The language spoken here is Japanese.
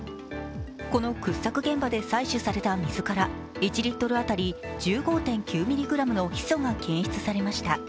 この掘削現場で採取された水から１リットル当たり１５．９ｍｇのヒ素が検出されました。